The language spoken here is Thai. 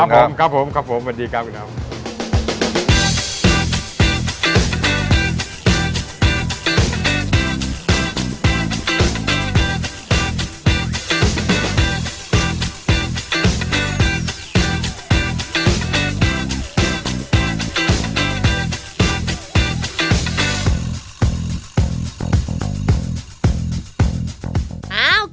ครับผมครับผมครับผมวันนี้กับคุณครับ